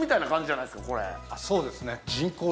そうですね。